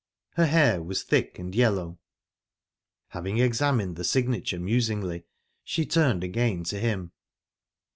Her hair was thick and yellow. Having examined the signature musingly, she turned again to him.